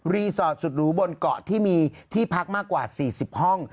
สอดสุดหรูบนเกาะที่มีที่พักมากกว่า๔๐ห้อง